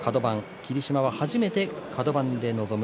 霧島は初めてカド番で臨む